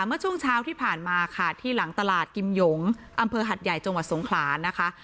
เมื่อช่วงเช้าที่ผ่านมาค่ะที่หลังตลาดกิมหยงอำเภอหัดใหญ่จังหวัดสงขลานะคะ